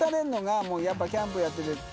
やっぱキャンプやってて。